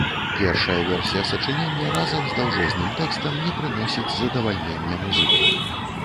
Першая версія сачынення разам з даўжэзным тэкстам не прыносіць задавальнення музыку.